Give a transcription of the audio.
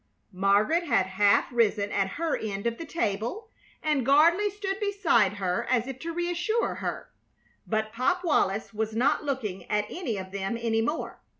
Margaret had half risen at her end of the table, and Gardley stood beside her as if to reassure her; but Pop Wallis was not looking at any of them any more.